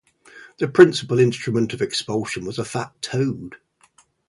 The principal instrument of expulsion was a fat toad.